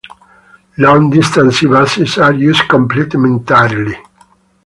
Long distance buses are used complementarily.